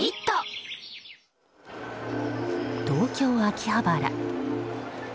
東京・秋葉原。